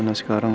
kita sudah dapat